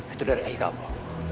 itu dari ayah kamu